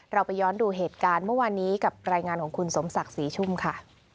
เราไปย้อนดูเหตุการณ์เมื่อวานนี้กับรายงานของคุณสมศักดิ์ศรีชุ่มค่ะ